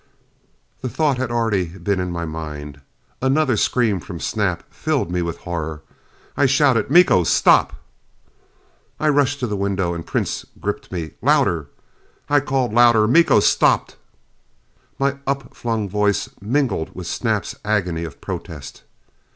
The thought had already been in my mind. Another scream from Snap filled me with horror. I shouted, "Miko! Stop!" I rushed to the window and Prince gripped me. "Louder!" I called louder: "Miko! Stop!" My upflung voice mingled with Snap's agony of protest.